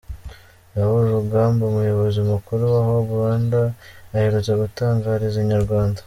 Raoul Rugamba umuyobozi mukuru wa Hobe Rwanda aherutse gutangariza inyarwanda.